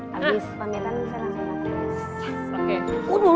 habis pamitan selanjutnya